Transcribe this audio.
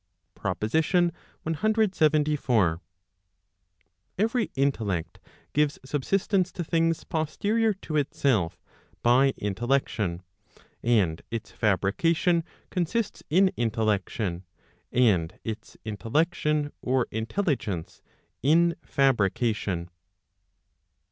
PROPOSITION CLXXIV. Every intellect gives subsistence to things posterior to itself, by intellection, and its fabrication consists in intellection, and its intellection or intelligence, in fabrication.